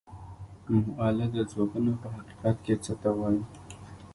مؤلده ځواکونه په حقیقت کې څه ته وايي؟